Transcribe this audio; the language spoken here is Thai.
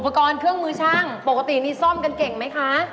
กรเครื่องมือช่างปกตินี่ซ่อมกันเก่งไหมคะ